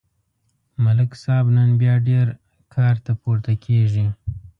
ملک صاحب نن بیا ډېر کارته پورته کېږي.